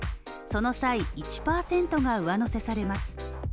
その際、１％が上乗せされます。